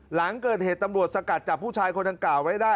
หลังเกิดเหตุตำรวจสกัดจับผู้ชายคนดังกล่าวไว้ได้